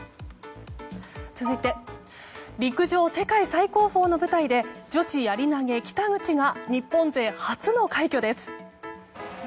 続いて、陸上世界最高峰の舞台で女子やり投げ、北口が日本勢初の快挙です！